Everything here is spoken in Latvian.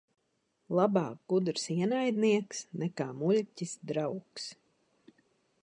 Labāk gudrs ienaidnieks nekā muļķis draugs.